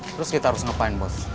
terus kita harus ngapain bos